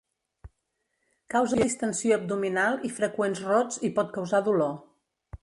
Causa distensió abdominal i freqüents rots i pot causar dolor.